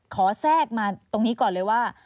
แทรกมาตรงนี้ก่อนเลยว่า